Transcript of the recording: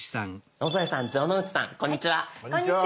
野添さん城之内さんこんにちは。